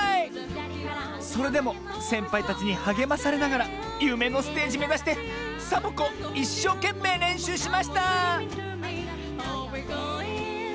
それでもせんぱいたちにはげまされながらゆめのステージめざしてサボ子いっしょうけんめいれんしゅうしました！